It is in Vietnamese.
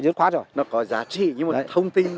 nó có giá trị nhưng mà thông tin